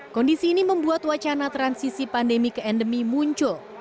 kondisi ini membuat wacana transisi pandemi ke endemi muncul